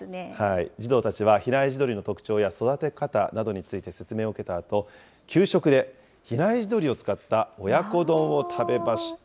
児童たちは比内地鶏の特徴や育て方などについて説明を受けたあと、給食で比内地鶏を使った親子丼を食べました。